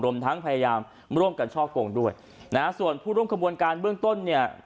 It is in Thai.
รวมทั้งพยายามร่วมกันช่อกงด้วยนะฮะส่วนผู้ร่วมขบวนการเบื้องต้นเนี่ย